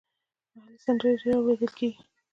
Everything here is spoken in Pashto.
محلي سندرې ډېرې اوریدل کیږي.